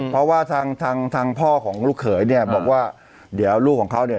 เพราะว่าทางทางพ่อของลูกเขยเนี่ยบอกว่าเดี๋ยวลูกของเขาเนี่ย